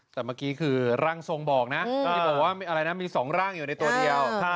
แต่เมื่อกี้คือร่างทรงบอกนะที่บอกว่าอะไรนะมี๒ร่างอยู่ในตัวเดียว